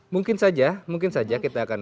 mungkin saja mungkin saja kita akan